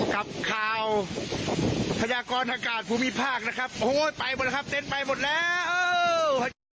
กับข่าวพยากรอากาศภูมิภาคนะครับโอ้โหไปหมดแล้วครับเต็นต์ไปหมดแล้ว